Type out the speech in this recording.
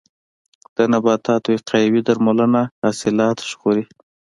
د نباتاتو وقایوي درملنه حاصلات ژغوري.